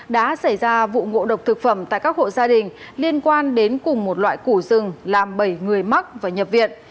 đã xảy ra vụ ngộ độc thực phẩm tại các hộ gia đình liên quan đến cùng một loại củ rừng làm bảy người mắc và nhập viện